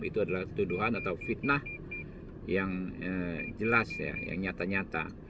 itu adalah tuduhan atau fitnah yang jelas yang nyata nyata